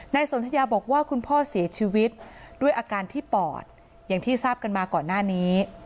สนทยาบอกว่าคุณพ่อเสียชีวิตด้วยอาการที่ปอดอย่างที่ทราบกันมาก่อนหน้านี้